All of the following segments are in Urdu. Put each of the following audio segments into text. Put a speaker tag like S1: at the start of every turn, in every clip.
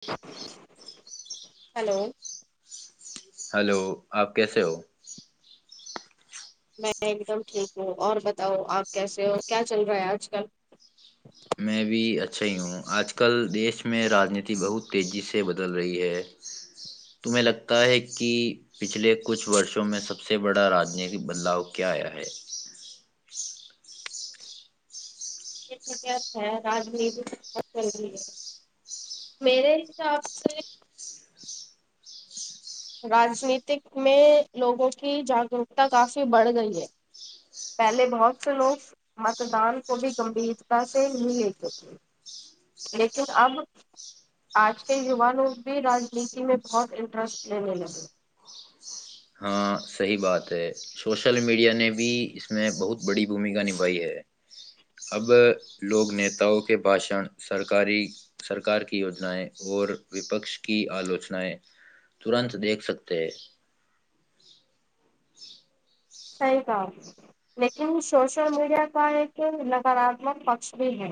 S1: جی
S2: ہلو
S1: ہلو آپ کیسے ہو
S2: میں ایک دم ٹھیک ہوں اور بتاؤ آپ کیسے ہو کیا چل رہا ہے آج کل
S1: میں بھی اچھا ہی ہوں آج کل دیش میں راجنیتی بہت تیزی سے بدل رہی ہے تمہیں لگتا ہے کہ پچھلے کچھ ورسوں میں سب سے بڑا راجنیت بدلاؤ کیا آیا ہے
S2: راجنی ہے میرے حساب سے راجنیتک میں لوگوں کی جاگرروکتا کافی بڑھ گئی ہے پہلے بہت سے لوگ متدان کو بھی گمبھیرتا سے نہیں لیتے تھے لیکن اب آج کے یووانوں بھی راجنیتی میں بہت انٹرسٹ لینے لگے
S1: سی بات ہے سوشل میڈیا نے بھی اس میں بہت بڑی بھومکا نبھائی ہے اب لوگ نتاؤں کے بھشن سرک کی یوجنایں اور وپک کی آلوچنایں ترنت دیکھ سکتے ہیں
S2: صحیح کام لیکن سوشل میڈیا کا ایک نکاراتمک پکش بھی ہے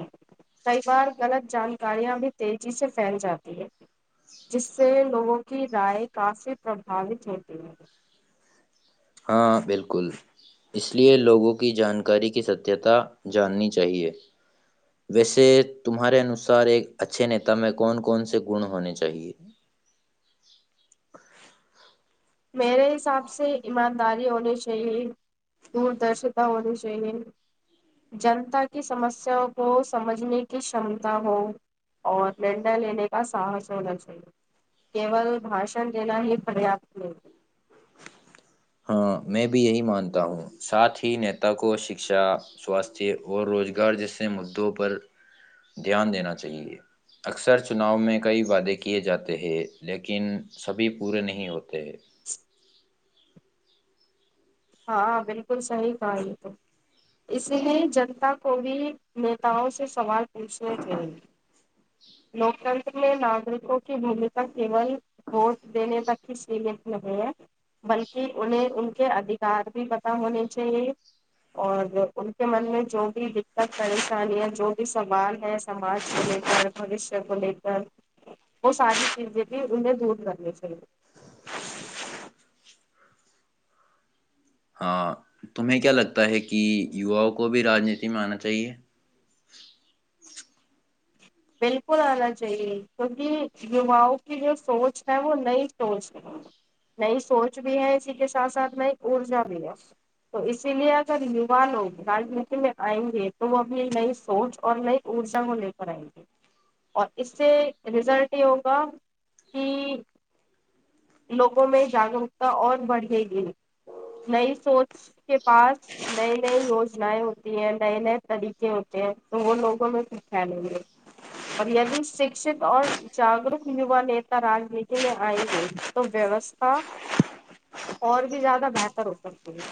S2: کئی بار غلط جانکاریاں بھی تیزی سے پھیل جاتی ہے جس سے لوگوں کی رائے کافی پرباوت ہوتی ہے
S1: ہاں بالکل اس لیے لوگوں کی جانکاری کی ستیہتا جاننی چاہیے ویسے تمہارے انوسار ایک اچھے نیتا میں کون کون سے گن ہونے چاہیے
S2: میرے حساب سے ایمانداری ہونی چاہیے دوردرشتا ہونی چاہیے جنتا کی سمسیا کو سمجھنے کیمتا ہو اور نرڈا لینے کا ساہس ہونا چاہیے کیول بھاشن لینا ہی پریاپت نہیں
S1: میں بھی یہی مانتا ہوں ساتھ ہی نیتا کو شکشا سواستھ اور روزگار جیسے مدوں پر دھیان دینا چاہیے اکثر چناؤ میں کئی وعدے کیے جاتے ہیں لیکن سبھی پورے نہیں ہوتے ہیں
S2: ہاں بالکل صحیح کہا یہ تو اس لیے جنتا کو بھی نیتاؤں سے سوال اش [unintelligible] لوکتنتر میں ناگرکوں کی بھومکا کیول ووٹ دینے تک ہی سیمت نہیں ہے بلکہ انہیں ان کے اد دار بھی پت ہونے چاہیے اور ان کے من میں جو بھی دقت پریشانیاں جو بھی سوال ہے سماج کو لے کر بوشیہ کو لے کر وہ ساری چیزیں بھی انہیں دور کرنی چاہیے
S1: ہاں تمہیں کیا لگتا ہے کہ یواؤں کو بھی رانیتی میں آنا چاہیے
S2: بالکل آنا چاہیے کیونکہ یواؤں کی جو سوچ ہے وہ نئی سوچ ہے نئی سوچ بھی ہے اسی کے ساتھ ساتھ نئی ارجا بھی ہے تو اسی لیے اگر یوا لوگ راجنیتی میں آئیں گے تو وہ اپنی نئی سوچ اور نئی ارجا کو لے کر آئیں گے اور اس سے رزلٹ یہ ہوگا کہ لوگوں میں جاگروکتا اور بڑھے گی نئی سوچ کے پاس نئی نئی یوجنیں ہوتی ہیں نئے نئے طریقے ہوتے ہیں تو وہ لوگوں میں کھ پھیلیں گے اور یدی شکشت اور جاگروک یوا نیتا رانیتی میں آئیں گے تو ویوستھا اور بھی زیادہ بہتر ہو سکتی ہے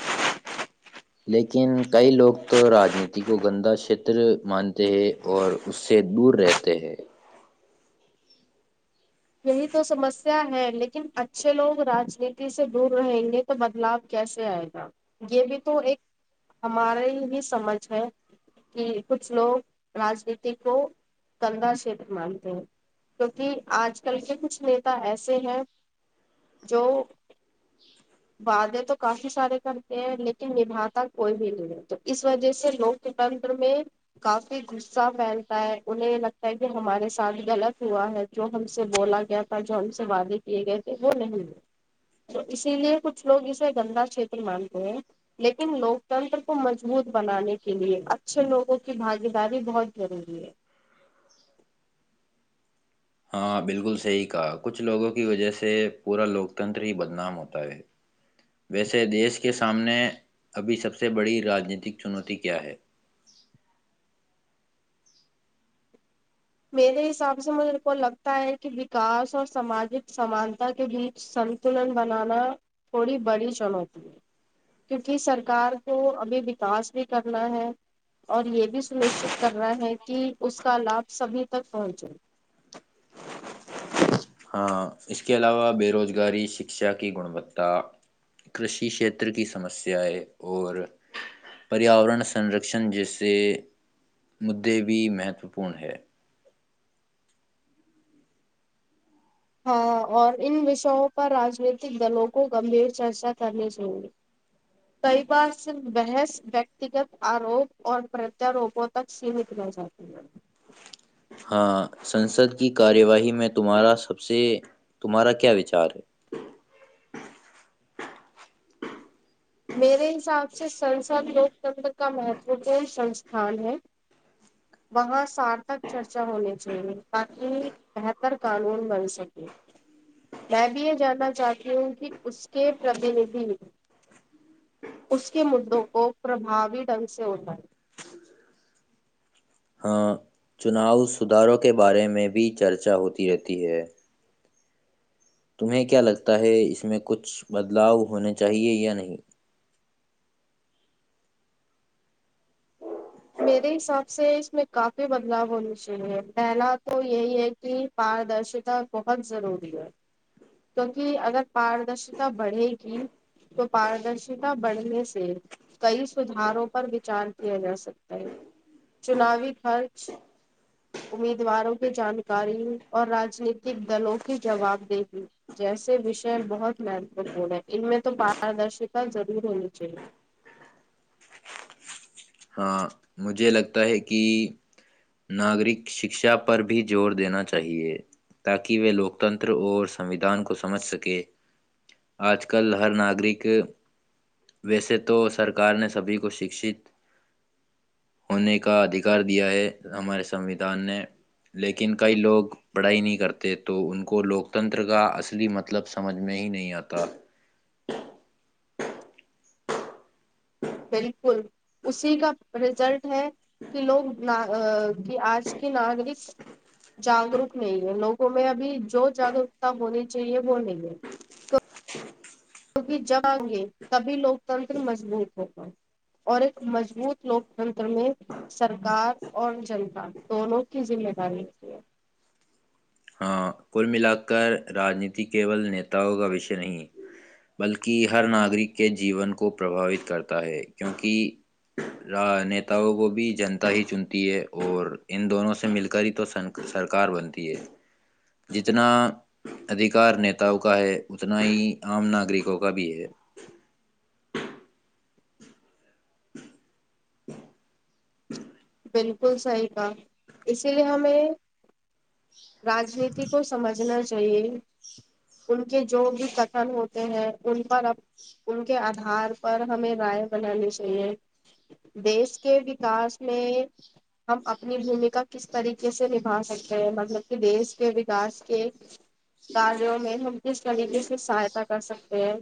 S1: لیکن کئی لوگ تو راجنیتی کو گندا چھیتر مانتے ہیں اور اس سے دور رہتے ہیں
S2: یہی تو سمسیا ہے لیکن اچھے لوگ راجنیتی سے دور رہیں گے تو بدلاو کیسے آئے گا یہ بھی تو ایک ہماری ہی سمجھ ہے کہ کچھ لوگ راجنیتی کو کندا چھیت مانتے ہیں کیونکہ آج کل کے کچھ نیتا ایسے ہیں جو وعدے تو کافی سارے کرتے ہیں لیکن نبھاتا کوئی بھی نہیں ہے تو اس وجہ سے لوکتنتر میں کافی صہ پھیلتا ہے انہیں لگتا ہے کہ ہمارے ساتھ غلط ہوا ہے جو ہم سے بولا گیا تھا جو ہم سے وعدے کیے گئے تھے وہ نہیں ہے تو اسی لیے کچھ لوگ اسے گندا چھیتر مانتے ہیں لیکن لوکتنتر کو مضبوط بنانے کے لیے اچھے لوگوں کی بھاگی داری بہت ضروری ہے
S1: ہاں بالکل صحی کہا کچھ لوگوں کی وجہ سے پورا لوکتنتر ہی بدنام ہوتا ہے ویسے دیش کے سامنے ابھی سب سے بڑی رانیتک چنوتی کیا ہے
S2: میرے حساب سے مجے کو لگتا ہے کہ وکاس اور سماجک سمانتا کے بیچ سنتلن بنانا تھوڑی بڑی چنوتی ہے کیونکہ سرکار کو ابھی وکاس بھی کرنا ہے اور یہ بھی سنشچت کرنا ہے کہ اس کا لابھ سبھی تک پہنچائ
S1: ہاں اس کے علاوہ بے روزگاری شکشا کی گنوتا کرشی شھیتر کی سمسیایں اور پریاورن سنرکشن جیسے مدے بھی مہتوپورن ہے [unintelligible]
S2: ہاں اور ان وشوں پر رجنیتک دلوں کو گمبھیر چرچا کرنی چاہے کئی بار صرف بحث وتیگت آروپ اور پرتاروپوں تک سیمت رہ جاتی ہے
S1: ہاں سنسد کی کارواہ میں تمہارا سب سے تمہارا کیا وچار ہے
S2: میرے حساب سے سنسد لوکتنتر کا مہتو پورن سنستھان ہے وہاں سارتک چرچا ہونی چاہیے تاکہ بہتر قانون بن سکے میں بھی یہ جاننا چاہتی ہوں کہ اس کے پرتینیدھی اس کے مدوں کو پربھوی ڈھنگ سے ہوتا ہے
S1: چناو سدھاروں کے بارے میں بھی چرچا ہوتی رہتی ہے [unintelligible] تمہیں کیا لگتا ہے اس میں کچھ بدلاؤ ہونے چاہیے یا نہیں
S2: میرے حساب سے اس میں کافی بدلاؤ ہونا چاہیے پہلا تو یہی ہے کہ پاردرشتا بہت ضروری ہے کیونکہ اگر پاردرشتا بڑھے گی تو پاردرشتا بڑھنے سے کئی سدھاروں پر وچار کیا جا سکتا ہے چناوی خرچ امیدواروں کی جانکاری اور رجنیتک دلوں کی جوابدی جیسے وشے بہت مہتوپورن ہے ان میں تو پاردرشتا ضرور ہونی چاہیے
S1: ہاں مجھے لگتا ہے کہ ناگرک شکشا پر بھی زور دینا چاہیے تاکہ وہ لوکتنتر اور سویدھان دان کو سمجھ سکے [unintelligible] آج کل ہر ناگرک ویسے تو سرکار نے سبھی کو شکشت ہونے کا ادھکار دیا ہے ہمارے سنویدھان نے لیکن کئی لوگ پڑھائی نہیں کرتے تو ان کو لوکتنتر کا اصلی مطلب سمجھ میں ہی نہیں آتا
S2: بالکل اسی کا رزلٹ ہے کہ لوگ آج کی ناگرک جاگروک نہیں ہے لوگوں میں ابھی جو جاگروکتا ہونی چاہیے وہ نہیں ہے کیونکہ جب آئیں گے تبھی لوکتنتر مضبوط ہوگا اور ایک مضبوط لوکتنتر میں سرکار اور جنتا دونوں کی ذمہ داری کی ہے
S1: ہاں کل ملا کر راجنیتی کیول نیتاؤ کا وشے نہیں بلکہ ہر ناگرک کے جیون کو پرباوت کرتا ہے کیونکہ نیتاؤوں کو بھی جنتا ہی چنتی ہے اور ان دونوں سے مل کر ہی تو سرکار بنتی ہے جتنا ادیکار نیتاؤ کا ہے اتنا ہی عام ناگرکوں کا بھی ہے
S2: بالکل صحیح کا اسی لیے ہمیں راجنیتی کو سمجھنا چاہیے ان کے جو بھی کتھن ہوتے ہیں ان پر ان کے آدھار پر ہمیں رائے بنانی چاہیے دیش کے وکاس میں ہم اپنی بھومکا کس طریقے سے نبا سکتے ہیں مطلب کہ دیش کے وکاس کے کاروں میں ہم کس طریقے سے سہاتا کر سکتے ہیں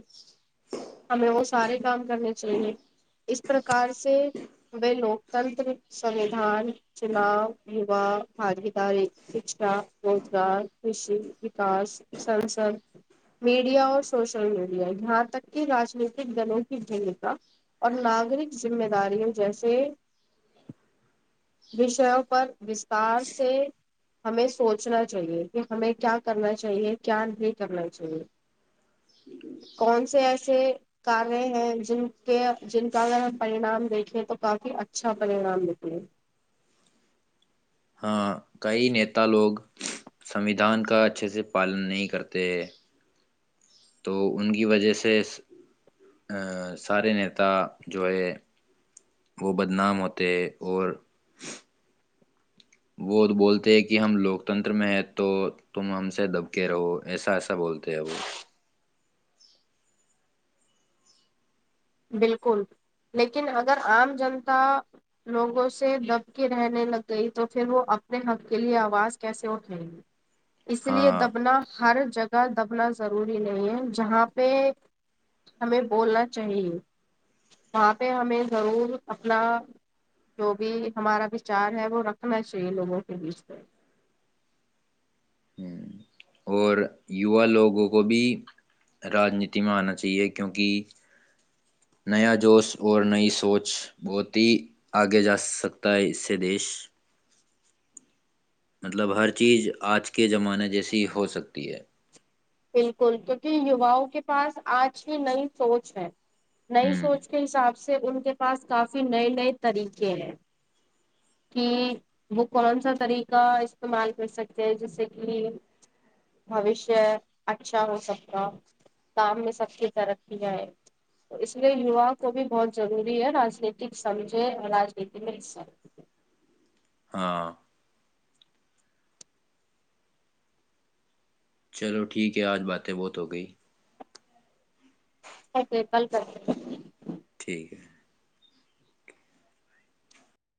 S2: ہمیں وہ سارے کام کرنے چاہیے اس پرکار سے وہ لوکتنتر سوھان چناؤ وا بھاگی داری شکچا روزگار کشی وکاس سنسد میڈیا اور سوشل میڈیا یہاں تک کہ رجنیتک دلوں کی بھمکا اور ناگرک ذمے داریوں جیسے وشیوں پر وستستار سے ہمیں سوچنا چاہیے کہ ہمیں کیا کرنا چاہیے کیا نہیں کرنا چاہیے کون سے ایسے کاریہ ہیں جن کے جن کا اگر ہم پریناام دیکھیں تو کافی اچھا پر نام دیتے
S1: ہاں کئی نیتا لوگ سنوھان کا اچھے سے پالن نہیں کرتے ہیں تو ان کی وجہ سے ا سارے نیتا جو ہے وہ بدنام ہوتے ہے اور وہ بولتے ہیں کہ ہم لوکتنتر میں ہیں تو تم ہم سے دبکے رہو ایسا ایسا بولتے ہیں وہ
S2: بالکل لیکن اگر عام جنتا لوگوں سے دب کے رہنے لگ گئی تو پھر وہ اپنے حق کے لیے آواز کیسے اٹھیں گی اس لیے
S1: ہاں
S2: دبنا ہر جگہ دبنا ضروری نہیں ہے جہاں پہ ہمیں بولنا چاہیے وہاں پہ ہمیں ضرور اپنا جو بھی ہمارا وچار ہے وہ رکھنا چاہیے لوگوں کے بیچ پہ
S1: اور یووا لوگوں کو بھی راجنیتی میں آنا چاہیے کیونکہ نیا جوش اور نئی سوچ بہت ہی آگے جا سکتا ہے اس سے دیش مطلب ہر چیز آج کے زمانے جیسی ہو سکتی ہے
S2: بالکل کیونکہ یوؤں کے پاس آج کی نئی سوچ ہے نئی
S1: ہوں
S2: سوچ کے حساب سے سے ان کے پاس کافی نئے نئے طریقے ہیں کہ وہ کون سا طریقہ استعمال کر سکتے ہیں جیسے کہ بوشیہ اچھا ہو سکتا کام میں سب کی ترقیاں ہے تو اس لیے یوا کو بھی بہت ضروری ہے راجنیتک سمجھے اور راجنیتی میں حصہ
S1: ہاں چلو ٹھیک ہے آج باتیں بہت ہو گئی
S2: س کل کر
S1: ٹھیک ہے